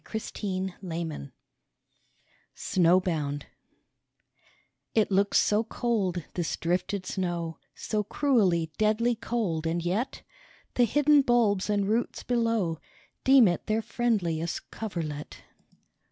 SNOWBOUND 85 SNOWBOUND IT looks so cold, this drifted snow, So cruelly, deadly cold, and yet The hidden bulbs and roots below Deem it their friendliest coverlet.